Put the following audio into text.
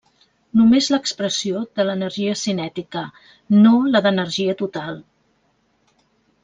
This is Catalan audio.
Només l'expressió de l'energia cinètica, no la d'energia total.